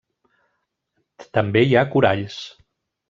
També hi ha coralls.